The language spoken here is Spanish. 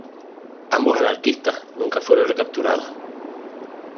Ambos anarquistas nunca fueron recapturados.